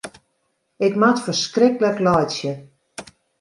Ik moat ferskriklik laitsje.